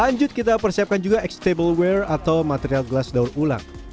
lanjut kita persiapkan juga x tableware atau material gelas daun ulang